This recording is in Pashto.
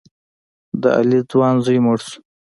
د علي ځوان زوی مړ شو.